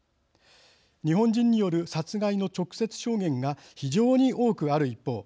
日本人による殺害の直接証言が非常に多くある一方